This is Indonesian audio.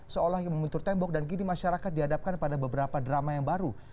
seolah membentur tembok dan kini masyarakat dihadapkan pada beberapa drama yang baru